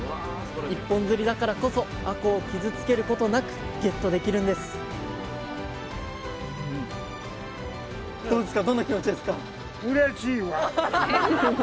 一本釣りだからこそあこうを傷つけることなくゲットできるんですわよかった！